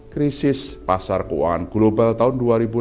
krisis pasar keuangan global tahun dua ribu delapan belas